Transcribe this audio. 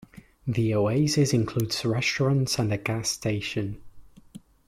The oasis includes restaurants and a gas station.